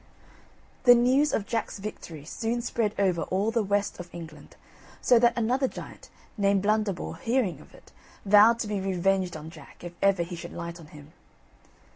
The news of Jack's victory soon spread over all the West of England, so that another giant, named Blunderbore, hearing of it, vowed to be revenged on Jack, if ever he should light on him.